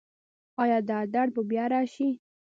ایا دا درد به بیا راشي؟